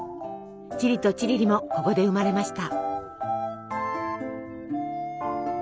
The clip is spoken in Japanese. チリとチリリもここで生まれました。